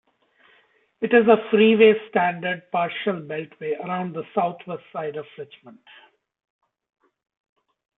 It is a freeway-standard partial beltway around the southwest side of Richmond.